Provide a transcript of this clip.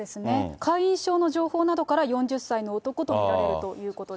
会員証の情報などから、４０歳の男と見られるということです。